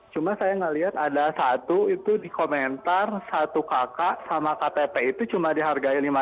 cuma saya nggak lihat ada satu itu di komentar satu kk sama kpp itu cuma dihargai rp lima